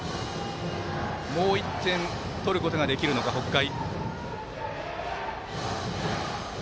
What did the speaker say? もう１点取ることができるのか、北海。